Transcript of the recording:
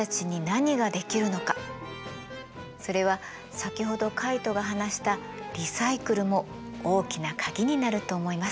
それは先ほどカイトが話したリサイクルも大きな鍵になると思います。